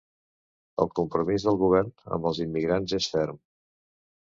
El compromís del govern amb els immigrants és ferm.